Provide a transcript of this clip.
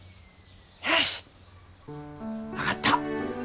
よし分かった。